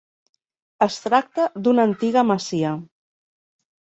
Es tracta d'una antiga masia.